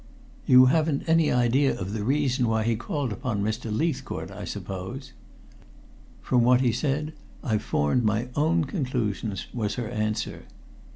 "You haven't any idea of the reason why he called upon Mr. Leithcourt, I suppose?" "From what he said, I've formed my own conclusions," was her answer.